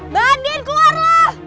bandin keluar lo